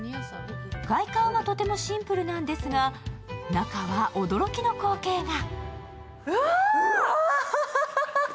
外観はとてもシンプルなんですが、中は驚きの光景が。